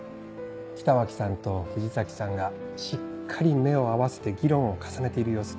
北脇さんと藤崎さんがしっかり目を合わせて議論を重ねている様子。